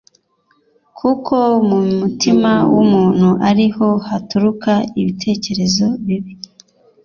“Kuko mu mutima w’umuntu ari ho haturuka ibitekerezo bibi: